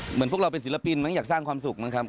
พวกเราเป็นศิลปินมั้งอยากสร้างความสุขมั้งครับ